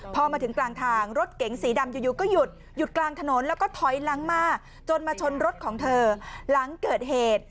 พอมาถึงกลางทางรถเก๋งสีดำอยู่ก็หยุดหยุดกลางถนนแล้วก็ถอยหลังมาจนมาชนรถของเธอหลังเกิดเหตุ